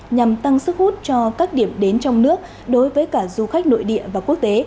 nhằm tăng sức hút cho các điểm đến trong nước đối với cả du khách nội địa và quốc tế